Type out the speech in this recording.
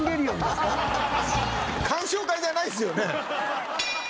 鑑賞会じゃないですよね？